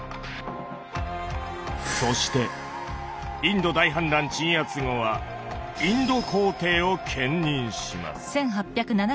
そしてインド大反乱鎮圧後はインド皇帝を兼任します。